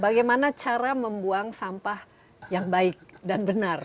bagaimana cara membuang sampah yang baik dan benar